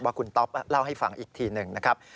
คุณต๊อปเล่าให้ฟังอีกทีหนึ่งนะครับ